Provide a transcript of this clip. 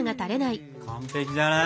完璧じゃない？